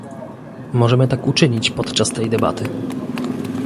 Możemy tak uczynić podczas tej debaty